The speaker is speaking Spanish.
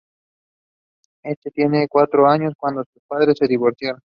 Ella tiene cuatro años cuando sus padres se divorcian.